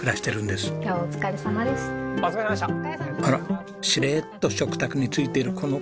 しれっと食卓についているこの方は？